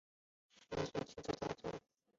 主体居民傣族。